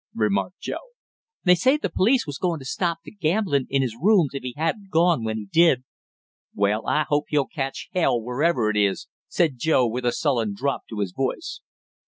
remarked Joe. "They say the police was goin' to stop the gamblin' in his rooms if he hadn't gone when he did." "Well, I hope he'll catch hell wherever he is!" said Joe, with a sullen drop to his voice.